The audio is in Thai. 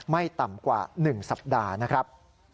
ไม่ต่ำกว่า๑สัปดาห์นะครับ